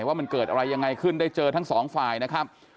ว่ามันเกิดอะไรยังไงขึ้นได้เจอทั้งสองฝ่ายนะครับ